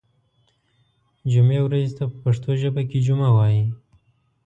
جمعې ورځې ته په پښتو ژبه کې جمعه وایی